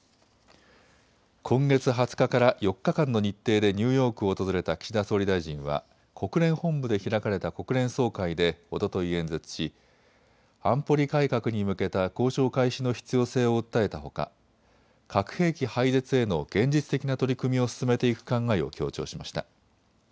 今月２０日から４日間の日程でニューヨークを訪れた岸田総理大臣は国連本部で開かれた国連総会でおととい演説し安保理改革に向けた交渉開始の必要性を訴えたほか核兵器廃絶への現実的な取り組みを進めていく考えを強調しました。